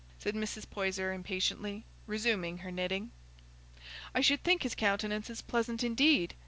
said Mrs. Poyser impatiently, resuming her knitting. "I should think his countenance is pleasant indeed!